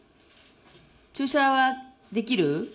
注射はできる？